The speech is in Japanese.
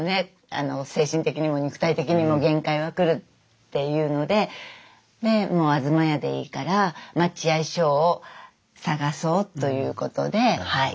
精神的にも肉体的にも限界が来るっていうのでで東屋でいいから待合所を探そうということではい